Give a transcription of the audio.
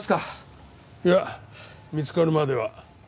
いや見つかるまでは。